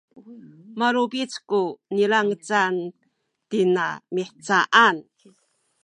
malubic ku nilangec tina mihcaan